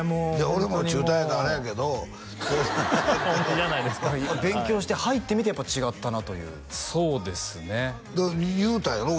俺も中退やからあれやけど同じじゃないですか勉強して入ってみてやっぱ違ったなというそうですね言うたやろ？